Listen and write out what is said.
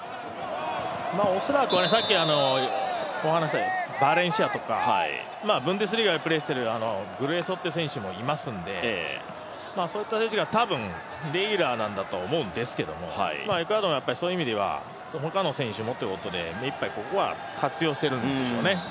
おそらく、バレンシアとかブンデスリーガでプレーしているグルエソという選手もいますので、そういった選手が多分レギュラーなんだと思うんですけどエクアドルもそういう意味ではほかの選手もっていうことで目いっぱい、ここは活用しているんでしょうね。